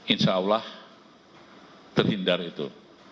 insyaallah terhindar itu